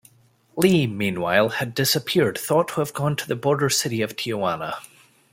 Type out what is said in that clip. Lee, meanwhile, had disappeared, thought to have gone to the border city of Tijuana.